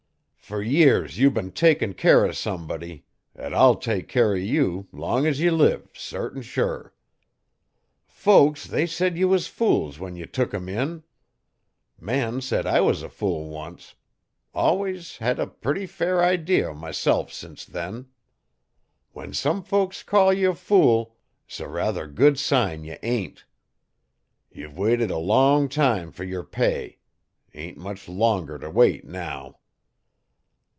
Fer years ye've been takin' care o' somebody et I'll take care 'o you, long's ye live sartin sure. Folks they said ye was fools when ye took 'em in. Man said I was a fool once. Alwuss hed a purty fair idee o'myself sence then. When some folks call ye a fool 's a ruther good sign ye ain't. Ye've waited a long time fer yer pay ain't much longer to wait now.'